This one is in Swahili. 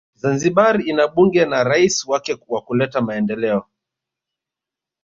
Zanzibari ina bunge na rais wake wakuleta Maendeleo